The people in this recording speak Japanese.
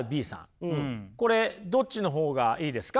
これどっちの方がいいですか？